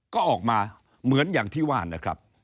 ก็ออกมาเหมือนอย่างที่ว่านะครับ